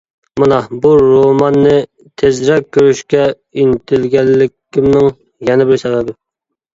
مانا بۇ روماننى تېزرەك كۆرۈشكە ئىنتىلگەنلىكىمنىڭ يەنە بىر سەۋەبى.